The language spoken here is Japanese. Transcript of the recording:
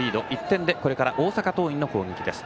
１点でこれから大阪桐蔭の攻撃です。